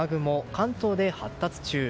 関東で発達中。